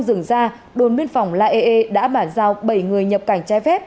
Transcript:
sau dừng ra đồn biên phòng laee đã bản giao bảy người nhập cảnh trai phép